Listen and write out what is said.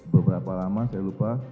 beberapa lama saya lupa